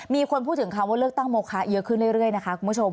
มีคนพูดถึงคำว่าเลือกตั้งโมคะเยอะขึ้นเรื่อยนะคะคุณผู้ชม